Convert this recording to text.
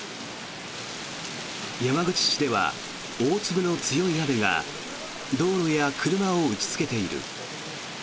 山口市では大粒の強い雨が道路や車を打ちつけている。